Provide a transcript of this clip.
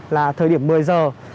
là thời điểm một mươi giờ